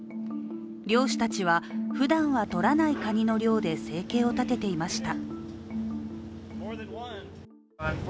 漁師たちは、ふだんはとらないカニの漁で生計を立てていました。